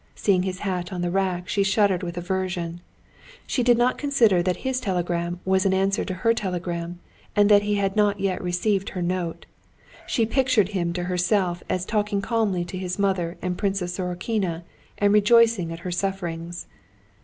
Seeing his hat on the rack, she shuddered with aversion. She did not consider that his telegram was an answer to her telegram and that he had not yet received her note. She pictured him to herself as talking calmly to his mother and Princess Sorokina and rejoicing at her sufferings.